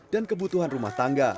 dan kebutuhan rumah tangga